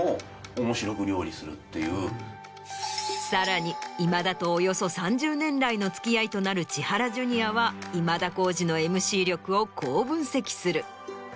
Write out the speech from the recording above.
さらに今田とおよそ３０年来の付き合いとなる千原ジュニアは今田耕司のＭＣ力をこう分析する。